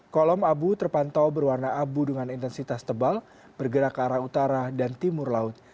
kolom abu terpantau berwarna abu dengan intensitas tebal bergerak ke arah utara dan timur laut